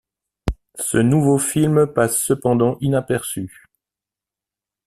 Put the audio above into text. Ce nouveau film passe cependant inaperçu.